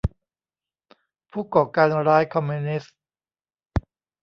ผู้ก่อการร้ายคอมมิวนิสต์